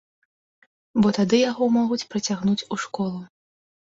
Бо тады яго могуць прыцягнуць у школу.